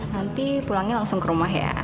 nanti pulangnya langsung ke rumah ya